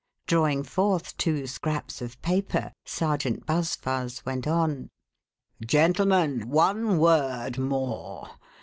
Drawing forth two scraps of paper, Sergeant Buzfuz went on: "Gentlemen, one word more.